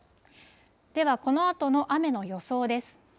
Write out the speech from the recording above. では、このあとの雨の予想です。